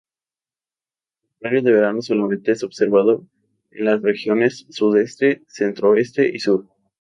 El horario de verano solamente es observado en las regiones Sudeste, Centro-Oeste y Sur.